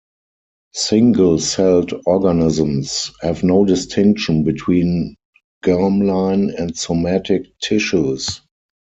Single-celled organisms have no distinction between germline and somatic tissues.